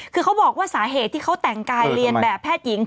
คือเขาบอกว่าสาเหตุที่เขาแต่งกายเรียนแบบแพทย์หญิง